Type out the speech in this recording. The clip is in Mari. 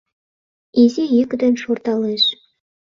Изи йӱк ден шорталеш;